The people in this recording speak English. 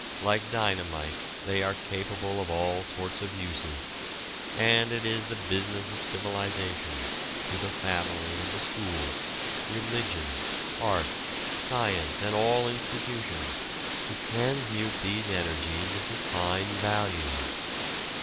Like dynamite, they are capable of all sorts of uses, and it is the business of civilization, through the family and the school, religion, art, science, and all institutions, to transmute these energies into fine values.